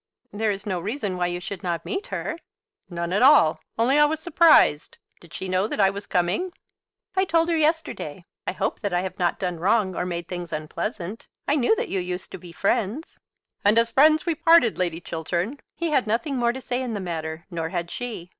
"There is no reason why you should not meet her?" "None at all; only I was surprised. Did she know that I was coming?" "I told her yesterday. I hope that I have not done wrong or made things unpleasant. I knew that you used to be friends." "And as friends we parted, Lady Chiltern." He had nothing more to say in the matter; nor had she.